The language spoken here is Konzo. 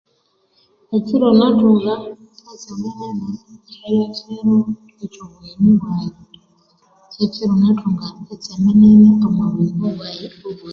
Ekyiro nathunga etseme nene inikiyiro ekyo bugheni bwayi, kyekyiro nathunga etseme nene omubuyingo bwayi obwe